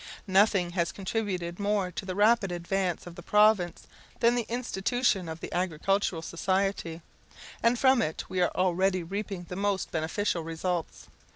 Nothing has contributed more to the rapid advance of the province than the institution of the Agricultural Society, and from it we are already reaping the most beneficial results.